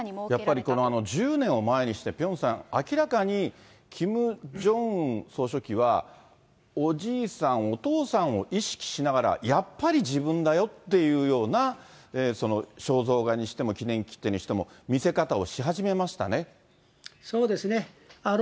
やっぱり１０年を前にしてピョンさん、明らかにキム・ジョンウン総書記は、おじいさん、お父さんを意識しながら、やっぱり自分だよっていうような、肖像画にしても、記念切手にしても、そうですね。